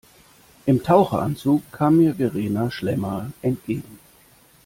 Im Taucheranzug kam mir Verena Schlemmer entgegen.